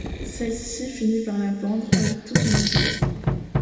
Celle-ci finit par la vendre avec tout son mobilier.